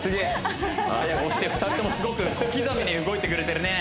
そして２人ともすごく小刻みに動いてくれてるね